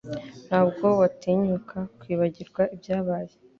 Ntabwo watinyuka kwibagirwa ibyabaye